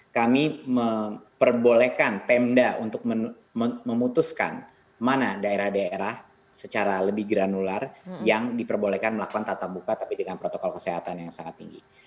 kami memperbolehkan pemda untuk memutuskan mana daerah daerah secara lebih granular yang diperbolehkan melakukan tatap muka tapi dengan protokol kesehatan yang sangat tinggi